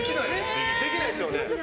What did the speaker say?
できないですよね？